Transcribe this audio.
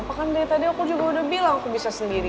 bahkan dari tadi aku juga udah bilang aku bisa sendiri